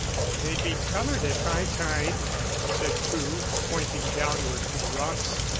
"They'd be covered at high tide," said Crewe, pointing downward to the rocks.